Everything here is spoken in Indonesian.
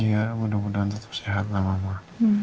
iya mudah mudahan tetap sehat lah mama